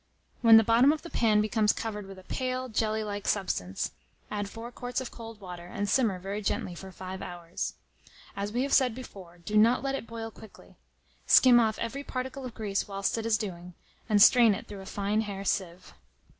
When the bottom of the pan becomes covered with a pale, jelly like substance, add 4 quarts of cold water, and simmer very gently for 5 hours. As we have said before, do not let it boil quickly. Skim off every particle of grease whilst it is doing, and strain it through a fine hair sieve.